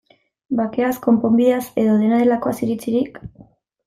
Bakeaz, konponbideaz, edo dena delakoaz iritzirik?